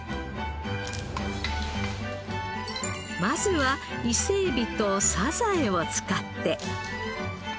まずは伊勢えびとサザエを使って。